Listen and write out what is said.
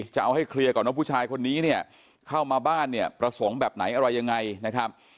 จะเอาให้เคลียร์ก่อนว่าผู้ชายคนนี้เนี่ยเข้ามาบ้านเนี่ยประสงค์แบบไหนอะไรยังไงนะครับ